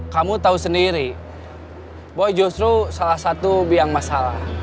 kamu tau sendiri boy justru salah satu biang masalah